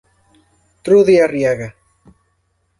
Trudy Arriaga.